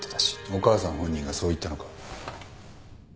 お母さん本人がそう言ったのか？